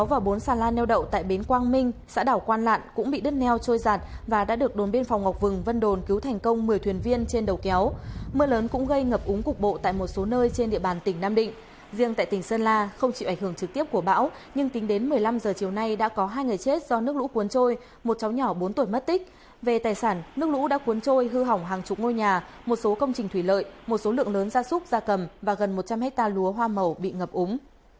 về tài sản nước lũ đã cuốn trôi hư hỏng hàng chục ngôi nhà một số công trình thủy lợi một số lượng lớn gia súc gia cầm và gần một trăm linh hecta lúa hoa màu bị ngập úng